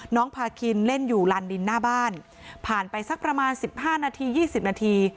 พาคินเล่นอยู่ลานดินหน้าบ้านผ่านไปสักประมาณ๑๕นาที๒๐นาที